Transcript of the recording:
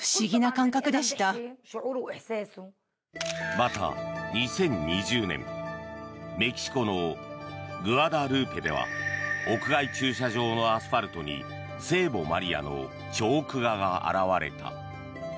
また２０２０年メキシコのグアダルーペでは屋外駐車場のアスファルトに聖母マリアのチョーク画が現れた。